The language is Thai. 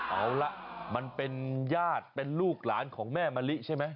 เอาล่ะมันเป็นญาติเป็นลูกหลานของแม่มะลิใช่ไหม